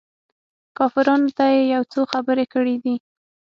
کافرانو ته يې يو څو خبرې کړي دي.